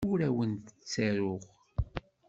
Ur awent-d-ttaruɣ.